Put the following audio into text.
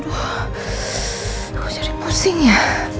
aduh aku jadi pusing ya